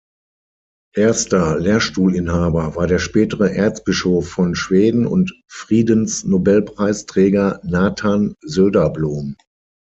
Erster Lehrstuhlinhaber war der spätere Erzbischof von Schweden und Friedensnobelpreisträger Nathan Söderblom.